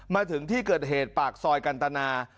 มาถึงที่เกิดเหตุปากซอยกันตนา